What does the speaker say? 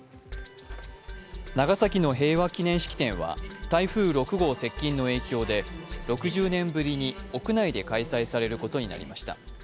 長崎の平和祈念式典は、台風６号接近の影響で６０年ぶりに屋内で開催されることになりました。